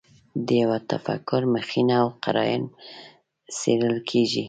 د یوه تفکر مخینه او قراین څېړل کېږي.